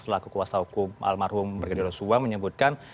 selaku kuasa hukum almarhum brigadir yosua menyebutkan